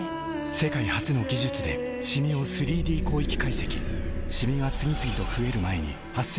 世界初の技術でシミを３Ｄ広域解析シミが次々と増える前に「メラノショットＷ」